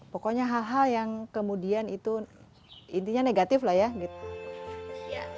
pokoknya hal hal yang kemudian itu intinya negatif lah ya gitu